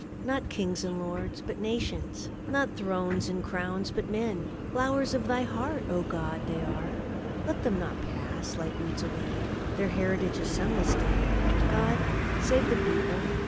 Not kings and lords, but nations! Not thrones and crowns, but men! Flowers of Thy heart, O God, are they! Let them not pass, like weeds, away! Their heritage a sunless day! God save the people!